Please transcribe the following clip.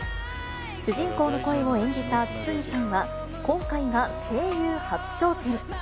主人公の声を演じた堤さんは、今回が声優初挑戦。